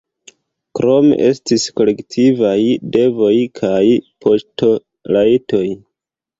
Krome estis kolektivaj devoj kaj paŝtorajtoj.